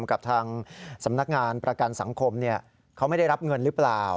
กับทางสำนักงานประกันสังคมเขาไม่ได้รับเงินหรือเปล่า